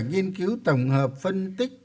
nghiên cứu tổng hợp phân tích